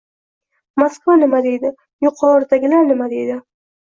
Moskva nima deydi? Yuqoridagilar nima deydi?